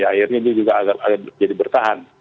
akhirnya itu juga agak agak jadi bertahan